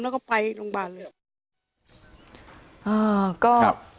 แล้วก็ไปโรงพยาบาลเลยเหรอ